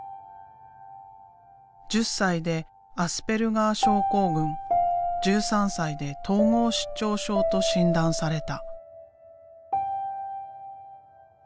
１０歳でアスペルガー症候群１３歳で統合失調症と診断された。